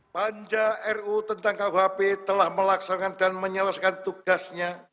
panja ru tentang kuhp telah melaksanakan dan menyelesaikan tugasnya